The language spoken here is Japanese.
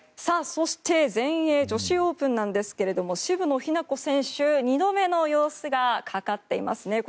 そして全英女子オープンですけども渋野日向子選手２打目の様子がかかっていますね。